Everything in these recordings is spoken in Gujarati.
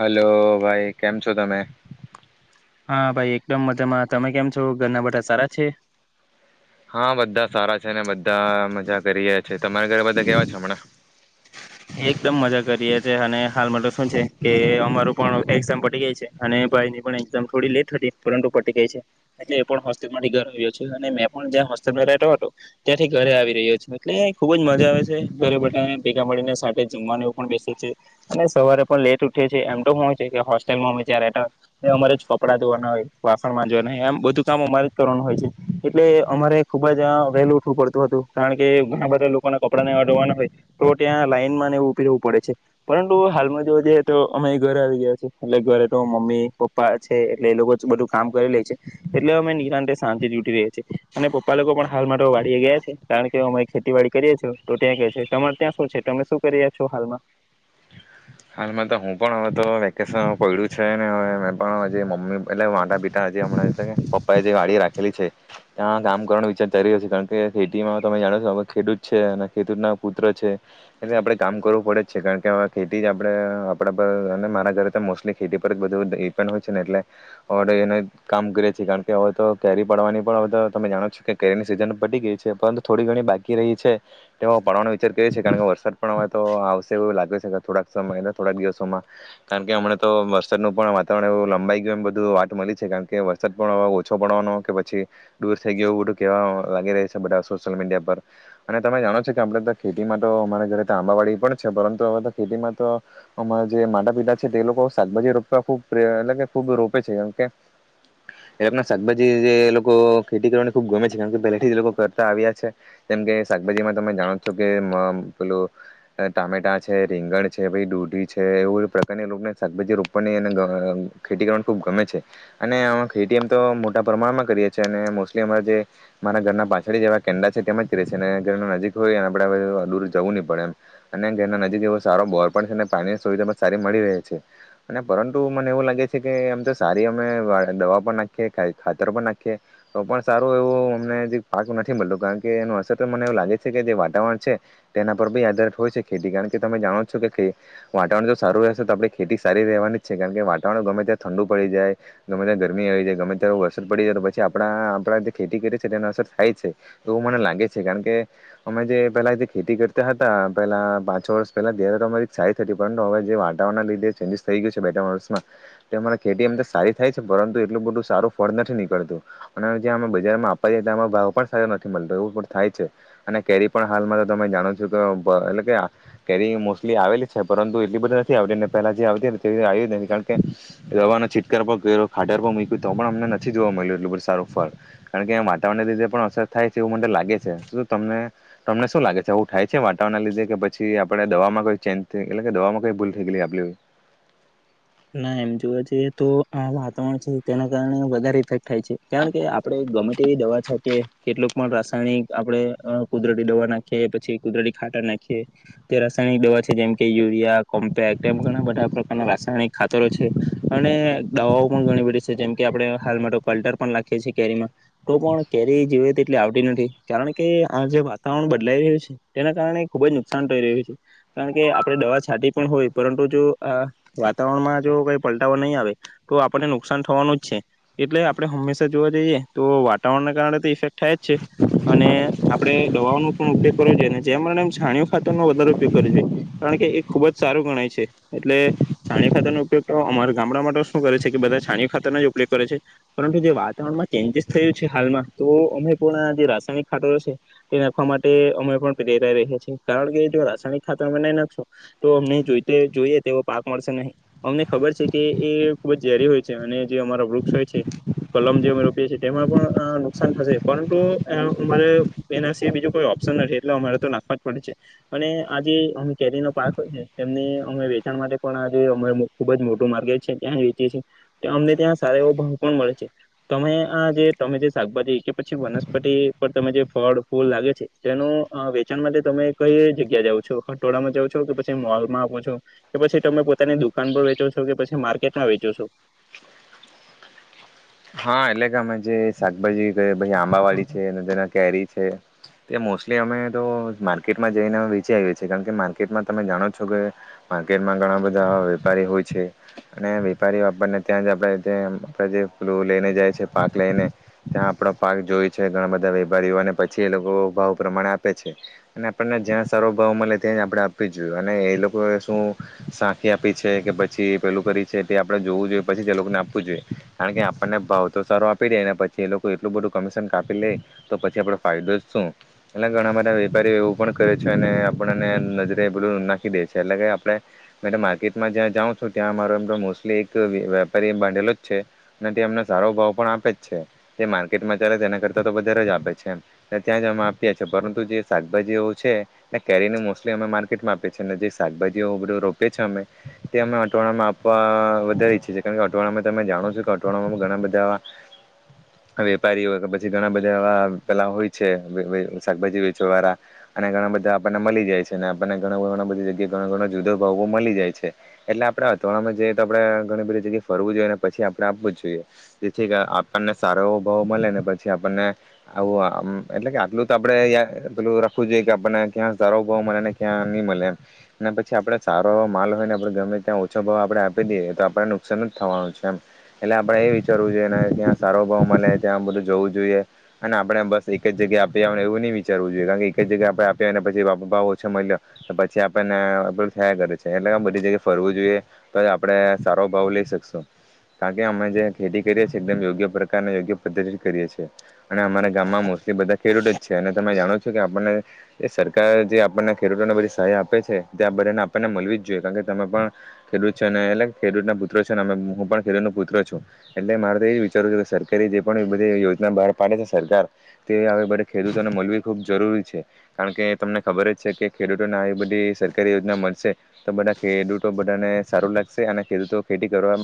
હલો ભાઈ કેમ છો તમે હા ભાઈ એકદમ મજામાં તમે કેમ છો ઘરના બધા સારા છે હા બધા સારા છે નેધ બધા મજા કરીએ છે તમારા ઘરે બધા કેવા છે હમણાં એકદમ મજા કરી છે અને હાલમાં તો શું છે કે અમારો પણ એઝામ પટી ગઈ છે અને ભાઈ ની પણ એામ થોડી લેટ હતી પરંતુ પટી ગઈ છે એટલે એ પણ હોસ્ટેલ માંથી ઘર આવ્યો છે અને મેં પણ જ્યાં હોસ્ટેલમાં રહેતો હતો ત્યાંથી ઘરે આવી રહ્યો છું એટલે ખુબ જ મજા આવે છે ઘરે બઘાને ભેગા મળીને માટે જમવા ને પણ બેસેછે અને સવારે પણ લેટ ઉઠે છે એમ તો હોય છે કે હોસ્ટેલમાં અમે જયાં રહેતા ત્યા અમારે જ કપડાં ધોવાના હોય વાખણમાં જોવાના હોયમ બધું કામ અમારે જ કરવાનું હોય છે એટલે અમારે ખુબ જ વહેલું ઉઠવું પડતું હતું કારણ કે ઘણા બધા લોકોને કપડાં ને એવા ધોવાના આવે તો ત્યાં લાઈ વું પડે છે પરંતુ હાલમાં જોવા જઈએ તો અમે ઘરે આવી ગયા છેએટલે ઘરે તો મમ્મી પપ્પા છે એટલે એ લોકો બધું કામ કરી લે છે એટલે અમે નિરાંત શાંતિ તૂટી રએ છીએ અને પપ્પા લોકો પણ હાલ માટે વાળી ગયા છે કારણ કે અમે ખેતીવાડી કરીએ છીએ તો ત્યાં છે તમારે ત્યાં શું છે તમે શું પ છો હાલમાં હાલ તો હું પણ હવે તો વેકેશન પડ્યું છે ને હવે મે પણ મમ્મી એટલે માતા પિતા હજી હમણાં એટ કે પપ્પા એ જે વાડી રાખેલી છે ત્યાં કામ કરવાનો વિચાર ચ રહ્યો છે કારણ કે ખેતીમાં તમે જાણો છો હવે ખેડૂત છે અને ખેડૂતના પુત્ર છે એટલે આપડણે કામ કરવું પડે જ છે કારણ કે ખેતી જ આપણે આપણા પર અને મારા ઘરે તો મોસ્ટલી ખેતી પર જ બધું ડિપેન્ડ હોય છે ને એટલે અડ એને કામ કરીએ છીએ કારણ કે હવે તો કેરી પડવાની પણ હવે તો તમે જાણો છો કેરીની સિઝન પટી ગઈ છે પરંતુ થોડી ઘણી બાકી રહી છે તે પડવાનો વિચાર કરીએ છીએ કારણ કે વરસાદ પણ હવે તો આવશે એવું લાગે છે કે થોડાક સમય થોડાક દિવસોમાં કારણ કે હમણા તો વરસાદનું પણ વાતાવરણ એવું લંબાઈ ગયું એમ બધું વાત મળી છે કારણ કે વરસાદ પણ હવે ઓછો પડવાનો કે પછી દૂર થઈ ગયો બધું કેહેવા લાગી રહી છે બધા સોશિયલ મીડિયા પર અને તમે જાણો છો કે આપડણે તો ખેતીમાં તો અમારા ઘરે તો આંબાવાડી પણ છે પરંતુ હવે તો ખેતીમાં અમારા જે માતા પિતા છે તે લોકો શાકભાજી રોપવા ખૂબ પ્રય એટલે કે ખૂબ રોપે છે કેમકે એ શાકભાજી જે લોકો ખેતી કરવાને ખુબ ગમે છે કારણ પહેલાથી લોકો કરતા આવ્યા છે જેમ કે શાકભાજીમાં તમે જાણો છો કે પેલું ટામેટા છે રીંગણ છે દૂઢી છે એવું પ્રકારની રને શાકભાજી રોપવાની અને ખેતી કરવાની ખૂબ ગમે છે અને આમાં ખેતી એમ તો મોટા પ્રમાણમાં કરીએ છીએ અને મોસ્ટલી અમારા જે મારા ઘરના પાછળ જેવા કેંડા છે તેમ જ કરીએ છીએ અને ઘર નજીક હોય એના આપણેવે દૂર જવું નહી પડે એમ અને ઘરના નજીક એવો સારો બોર પણ છે પાણીની સુવિધા સારી મળી રહે છે અને પરંતુ મને એવું લાગે છે કે આમ તો સારી અમે દવા પણ નાખીએ ખાતર પણ નાખીએ તો પણ સારું એવું અમને જે પાક નથી મળતોું કારણ કે એનું અસર તો મને એવું લાગે છે કે જે વાતાવરણ છે તેના પર બી આદાર હોય છે ખેતી કારણ કે તમે જાણો વાતાવરણ જો સારું રહેશે તો આપણે ખેતી સારી રહેવાની જ છે કારણ કે વાતાવરણ ગમે ત્યાં ઠંડુ પડી જાય ગમે ત્યાં ગરમી આવી જાય ગમે ત્યા્યારે વરસાદ પડી જાય તો પછી આપણા આપણા જે ખેતી કરીએ છી તેનો અસર થાય છે તો એવું મને લાગે છે કારણ કે અમે જે પહેલા ખેતી કરતા હતા પેલા પાંચ વર્ષ પહેલા સારી થતી પરંતુ હવે જે વાતાવરના લીધે ચેન્જીસ થઈ ગયું છે બે ત્રણ વર્ષમાં તે અમારા ખેતી અમ તો સારી થાય છે પરંતુ એટલું બધું સારું ફળ નથી નીકળતું અને જ્યાં અમે બજારમાં આપવા જએ તં ભાવ પણ સારો નથી મળતો એવું પણ થાય છે અને કેરી પણ હાલમાં તો તમે જાણો છો કે એટલે કે કેરી એટ આવેલી છે પરંતુ એટલી બધી નથી આવને પહેલા જે આવતી ને તેધ આવી નથી કારણ કે દવાનો છીટકાર પર કર્યો ખાડર પર મૂક્યું તો પણ અમને નથી જોવા મળ્યું એટલું બધું સારું ફળ કારણ કે વાવરણને લીધે પણ અસર થાય છે એવું મને લાગે છે શું તમને તમને શું લાગે છે આવું થાય છે વાતાવરણના લીધે કે પછી આપડે દવામાંઈ ચેન એલે કે દવા મકે ભૂલ થઈ ગલી આપલી ના એમ જોવા જઈએ તો આ વાતાવરણ છે તેના કારણે વધારે ઇફેક્ટ થાય છે કારણ કે આપડણે ગમે તે એવી દવા છે કે કેટલક પણ રાસાયણિક આપડણે કુદરતી દવા નાખીએ પછી કુદરતી ખાટા નાખીએ તે રાસાયણિક દવા છે જેમ કે યુરિયા કોમ્પેક્ટ એમ ઘણા બધા પ્રકારના રાસાયણિક ખાતરો છે અને દવાઓ પણ ઘણી બધી છે જેમ કે આપણે હાલ માટે કલ્ટર પણ રાખીએ છ છેએ કેરીમાં તો પણ કેરી જીવે તેટલી આવતી નથી કારણ કે આ જે વાતાવરણ બદલાઈ રહ્યું છે તેના કારણે ખૂબ જ નુકસાન થઈ રહ્યું છે કારણ કે આપણે દવા છાતી પણ હોય પરંતુ જો આ વાતાવરણ માં જો કઈ પલટાવાો નહીં આવે તો આપણને નુકસાન થવાનું જ છે એટલે આપણે હંમેશા જોવા જઈએ તો વાતાવરણના કારણે તો ઇફેક્ટ થાય જ છે અને આપડણે દવાઓનો પણ ઉપયોગ કરો જોઈએ અને જેમ છાણીયો ખાતરનોો વધારે ઉપયોગ કરવો જોઈએ કારણ કે એ ખુબ જ સારું ગણાય છે એટલે છાણી ખાતર ન ઉપયોગ તો અમારા ગામડા માટે શું કરે છે કે બધા છાણી ખાતરનો જ ઉપયોગ કરે છે પરંતુ જે વાતાવરણમાં ચેન્જીસ થયું છે હાલમાં તો અમે પણ જે રાસાયણિક ખાતર છે તે નાખવા માટે અમે પણ પ્રેરાઈ રહ્યા છીએ કારણ કે જો રાસાયણિક ખાતર અમે નહી નાખશો તો અમ જો જોઈએ તે પાક મળશે નહીં અમને ખબર છે કે એ ખૂબ જ ઝેરી હોય છે અને જે અમારા વૃક્ષ હોય છે કલમ જે અમે રોપીએ છીએ તેમાં પણ નુકસાન થશે પરંતુ અમારે એના સ બીજું કોઈ ઓપ્શન નથી એટલે અમારે તો નાખવા જ પડે છે અને આ જે અ કેરીનો પાક હોય છે એમને અમે વેચાણ માટે અ ખુબ જ મોટું માર્કેટ છે ત્યાં વેચીએ છીએ અમને ત્યાં સારા એવો ભાવ પણ મળે છે તમે આ જે તમે જે શાકભાજી કે પછી વનસ્પતિ પર તમે જે ફળ ફૂલ લાગે છે તેનું વેચાણ માટે તમે કઈ જગ્યા જાઓ છો ખટોળામાં જાાવ છો કે પછી મોલમાં આપો છો કે પછી તમે પોતાની દુકાન પર વેચો છો કે પછી માર્કેટમાં વેચો છો હા એટલે ગમે જે શાકભાજી પછ આંબા વાળી છે અને જેના કેરી છે તે મોસ્ટલી અમે તો માર્કેટમાં જઈને અમે વેચી આવીએ છીએ કારણ કે માર્કેટમાં તમે જાણો છો કે માર્કેટમાં ઘણા બધા વેપારી હોય છે અને વેપારી વાપરને ત્યાં જ આપણે જે પલું લઈને જાય છે પાક લઈને ત્યાં આપણા પાક જોય છે ઘણા બધા વેપારીઓને પછી એ લોકો ભાવ પ્રમાણે આપે છે અને આપણને જ્યાં સર્વ ભાવ મળે તે જ આપણે આપવી જ જોઈએ અને એ લોકોએ શું સાંખી આપી છે કે પછી પેલું કરી છે તે આપણે જોવું જોઈએ પછી જ એ લોકોને આપવું જોઈએ કારણ કે આપને ભાવ તો સારો આપી દે પછી એ લોકો એટલું બધું કમિશન કાપી લે તો પછી આપડો ફાયદો જ શું એટલે ઘણા બધા વેપારીઓ એવું પણ કરે છે અને આપણને નજરે બું નાખી દે છે એટલે કે આપ માર્કેટમાં જ્યાં જાઉં છું ત્યાં અરોમ મોસ્ટલી એક વેપારી બાંધેલો જ છે ને તે અમને સારો ભાવ પણ આપે જ છે તે માર્કેટમાં ચાલે છે તેના કરતાં તો વધારે જ આપે છે એમ ને ત્યાં જ અમે આપીએ છીએ પરંતુ જે શાકભાજીઓ છે ને કેરીનું મોસ્ટલી અમે માર્કેટમાં આપીએ છીએ ને જે શાકભાજીઓ બધું રોપએ છીએ અમે તે અમે અટવાડામાં આપવા વધારી છીી કારણ કે અટવાડામાં તમે જાણો છો અથવામાં ઘણા બધા એવા વેપારીઓય કે પછી ઘણા બધા એવા પેલા હોય છે શાકભાજી વેચવા વાળા અને ઘણા બધા આપણને મળી જાય છે ને આપણને ઘણા ઘણા બધી જગ્યાએ ઘ ઘણ જુદો ભાવ મળી જાય છે એટલે આપડે અથવાડા માં જઈએ તો આપડે ઘણી બધી જગ્યાએ ફરવું જોઈએ પછી આપણે આપવું જ જોઈએ જેથી કે આપણને સારો એવો ભાવ મળે ને પછી આપણને આવું એટલે કે આટલું તો આપણે આટલું રાખવું જોઈએ કે આપણને ક્યાં સારો ભાવ મળે ને ક્યાં નહીં મળે ને પછી આપણે સારો એવો માલ હોય ને આપણે ગમે ત્યાં ઓછો ભાવ આપણે આપી દઈએ તો આપણે નુકસાન જ થવાનું છે એમ એટલે આપણેે એ વિચારવું જોઈએ ને કે્યા સારો ભાવ મળે ત્યાં બધું જવું જોઈએ અને આપણે બસ એક જગ્યાએ આપી ને એવું નઈ વિચારવું જોઈએ કારણ કે એક જગ્યાએ આપણે આપીને પછી ભાવ ઓછા મળ્યો પછી આપણેને બધું થયા કરે છે એટલે બધી જગ્યાએ ફરવું જોઈએ તો આપડણે સારો ભાવ લઈ શકશું કારણ કે અમે જે ખેતી કરીએ છીએ એકદમ યોગ્ય પ્રકાર યોગ્ય પદ્ધતિ કરીએ છીએ અને અમારા ગામમાં મોસ્ટલી બધા ખેડૂત જ છે અને તમે જાણો છો કે આપણને એ સરકાર જે આપણને ખેડૂતોને બધી સહાય આપે છે તં બધાને આપણને મળવી જ જોઈએ કારણ કે તમે પણ ખેડૂત છો ને એટ ખેડૂતના પુત્રો છેને હું પણ પ છ એટલે મારે તો એજ વિચારું છેું કે સરકારી જે પણ બધી યોજના બહાર પાડે છે સરકાર તે બધ ખેડૂતોને મળવી ખૂબ જરૂરી છે કારણ કે તમને ખબર જ છે કે ખેડૂતોને આવી બધી સરકારી યોજના મળશે તો બધા ખેડૂતો બધાને સારું લાગશે અને ખેડૂતો ખેતી કરવા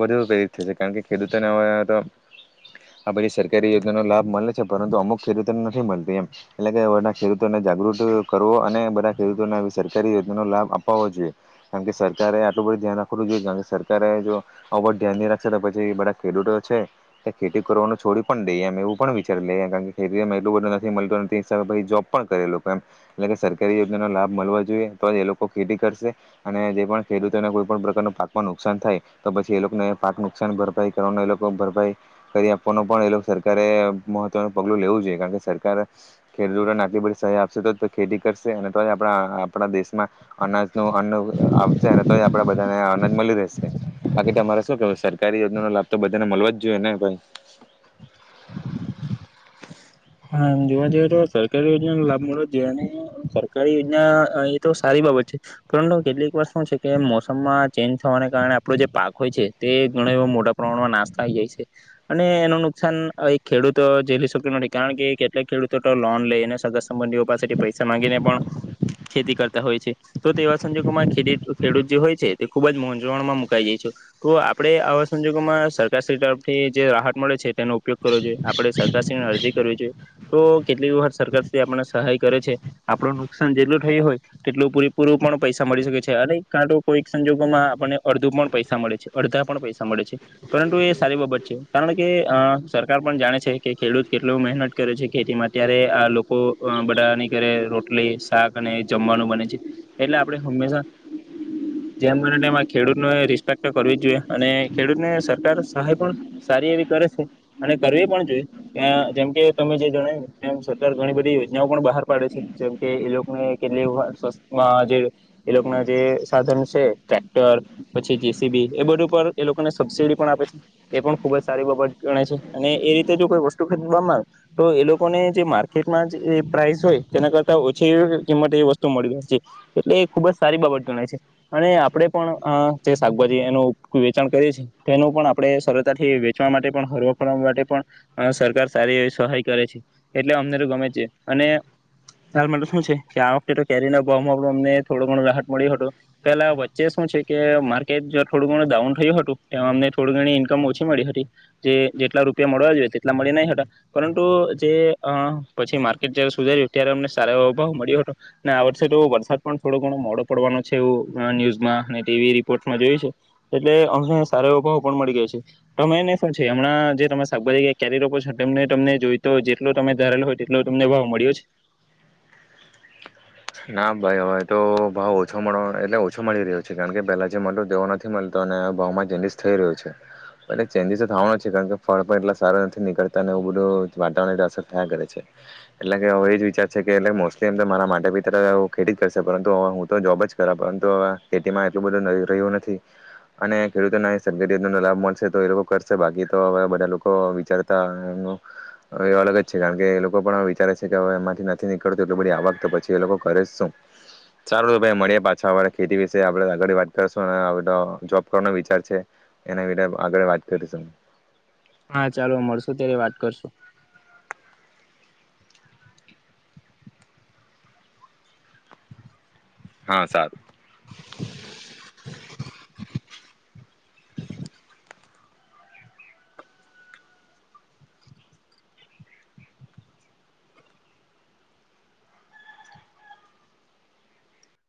વધુ પ્રેરીિત થશે કારણ કે ખેડૂતોને તો આ પછી સરકારી યોજનાનો લાભ મળે છે પરંતુ અમુક ખેડૂતોને નથી મળતી એમ એટલે કે બધા ખેડૂતોને જાગૃત કરવો અને બધા ખેડૂતોને સરકારી યોજનાનો લાભ આપાવો જોઈએ કારણ કે સરકારે એ આટલ બધ ધ્યાન આપખ ખ જો કાંગ્રેસ સરકાર હ જો અ ધ્યાન રાખશે પછી બધા ખેડૂતો છે એ ખેતી કરવાનું છોડી પણ દઈએ એમ એવું પણ વિચારી લઈએ કારણ કે ખેતીમાં એટલું બધ નથી મળત નથીબ પછી જોબ પણ કરે લોકો એમ એટલે કે સરકારી યોજનાનો લાભ મળ જોઈએ તો જ એ લોકો ખેતી કરશે અને જે પણ ખેડૂતોને કોઈ પણ પ્રકારના પાકમાં નુકસાન થાય તો પછી એ લોકોને પાક નુકસાન ભરપાઈ કરવાનો એ લોકો ભરપાઈ કરી આપવાનો પણ એ સરકારે મહત્વનું પગલું લેવું જોઈએ કારણ કે સરકાર ખેડૂતોને આટલી બધી સહાય આપશે તો ખેતી કરશે અને તો જ આપણા આપણા દેશમાં અનાજ ન અન્ન આવશે અને તો જ આપણે બધાને અનાજ મળી રહેશે બાકી તમારે શું કેવું સરકારી યોજનાનો લાભ તો બધાને મળવો જ જોઈએ ને ભાઈ હા જોવા જઈએ તો સરકારી યોજનાનો લાભ મળવો જોઈએ અને સરકારી યોજના એ તો સારી બાબત છે પરંતુ કેટલીક વર્ષ શું છે કે મોસમમાં ચેન્જ થવાને કારણે આપણો જે પાક હોય છે તે ઘણ એ મોટા પ્રમાણમાં નાશ થાય જાય છે અને એનું નુકસાન ખેડૂત જેલી શક નથી કારણ કેટલાક ખેડૂતો તો લોન લઈને સગર સંબંધીઓ પાસેથી પૈસા માંગીને પણ ખેતી કરતા હોય છે તો તેવા સંજોગોમાં ખે ખેડૂત જે હોય છે તે ખૂબ જ મંઝવણમાં મુકાઈ જાય છે તો આપણે આવા સંજોગોમાં સરકારશ્રી તરફથી જે રાહત મળે છે તેનો ઉપયોગ કરો જોઈએ આપણે સરકાર્રી અરજી જો તો કેટલીક વખત સરકાર આપણને સહાય કરે છે આપણું નુકસાન જેટલું થયું હોય તેટલું પૂરેપૂરું પણ પૈસા મળી શકે છે અને કારા કોઈક સંજોગોમાં આપણને અડધું પણ પૈસા મળે છે અડધા પણ પૈસા મળે છે પરંતુ એ સારી બાબત છે કારણ કે અ સરકાર પણ જાણે છે કે ખેડૂત કેટલું મહેનત કરે છે ખેતીમાં ત્યારે આ લોકો બધાની ઘરે રોટલી શાક અને જમવાનું બને છે એટલે આપણે હંમેશા જેમ બને એમાં ખેડૂતને રિસ્પેક્ટ કરવી જ જોઈએ અને ખેડૂતને સરકાર સહાય પણ સારી એવી કરે છે અને કરવી પણ જોઈએ ત્યાં જેમ કે તમે જે જણાય્યું એ સરકાર ઘણી બધી યોજનાઓ પણ બહાર પાડે છે જેમ કે એ લોકોને કેટલીમાં જે એ લોકોના જે સાધન છે ટ્રેક્ટર પછી જીસીબી એ બધું ઉપ એ લોકોને સબસીડી પણ આપે છે એ પણ ખુબ જ સારી બાબત ગણે છે અને એ રીતે જો કોઈ વસ્તુ ખરીવામાં આવે તો એ લોકોને જે માર્કેટમાં જે પ્રાઇસ હોય તેના કરતા ઓછી એવી કિંમત એ વસ્તુ મળી છે એટલે એ ખુબ જ સારી બાબત ગણાય છે અને આપણે પણ જે શાકભાજી એનું વેચાણ કરીએ છીએ તેનું પણ આપણે સરળતાથી વેચવા માટે પણ હરવા ફરવા માટે પણ સરકાર સારી એવી સહાય કરે છે એટલે અમને તો ગમે છે અને હ માટે શું છે કે આ વખતે તો કેરી ના ભાવમાં અમને થોડું ઘણું રાહત મળ્યું હતું પેલા વચ્ચે શું છે કે માર્કેટ જો થોડું ઘણું ડાઉન થયું હતું એ અમને થોડી ઘણી ઈન્કમ ઓછી મળી હતી જે જેટલા રૂપિયા મળવા જોઈએ મળ નહી પરંતુ જે પછી માર્કેટ જયારે સુધાર્યું ત્યારે અમને સારો એ અ ભાવ મળ્યો હતો આ વર્ષે તો વરસાદ પણ થોડો ઘણો મોડો પડવાનો છે એવું ન્યુઝમાં ટીવી રિપોર્ટમાં જોય છે એટલે અમને સારા એવા ભાવ પણ મળી ગયા છે તમે ન શું છે હમણાં જે તમે શાકભાજી ક્યારે ર છો તમને તમને જોય તો જેટલો તમે ધારેલો હોય તેટલો તમને ભાવ મળ્યો છે ના ભાઈ હવે તો ભાવ ઓછો મળ એટલે ઓછો મળી રહ્યો છે કારણ કે પહેલા જે મ દેવો નથી મળતો અને ભાવમાં ચેન્જીસ થઈ રહ્યો છે એટલે ચેન્જીસ તો થવાનો છે કારણ કે ફળ પણ એટલા સારો નથી નીકળતા અને એવું બધું વાતાવરણ અસર થયા કરે છે એટલે કે હવે એ જ વિચાર છે કે એટ મોસ્ટલી એમ મારા માટેી ્યારે ખેતી જ કરશે પરંતુ હવે હું તો જોબ જ કરા પરંતુ હવે ખેતીમાં એટલું બધું ન રહ્યું નથી અને ખેડૂતોને સબ લાભ મળશે તો એ લોકો કરશે બાકી તો હવે બધા લોકો વિચારતા એ એ અલગ જ છે કારણ કે એ લોકો પણ વિચારે છે કે હવે એમાંથી નથી નીકળતું એટ બધી આવક તો પછી એ લોકો કરેું સારું ભાઈ મળ પાછાળ ખેતી વિશે આપ આગળ વાત કરીશું જોબ નો વિચાર છે એના વિ આગળ વાત કરીશું હા ચાલો મળશુ ત્યારે વાત કરશું હા સારું [inaudible]